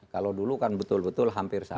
kalau dulu kan betul betul hampir sama